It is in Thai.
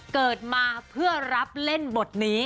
เกิดมาเพื่อรับเล่นบทนี้